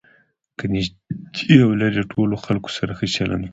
له نژدې او ليري ټولو خلکو سره ښه چلند کوئ!